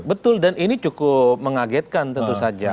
betul dan ini cukup mengagetkan tentu saja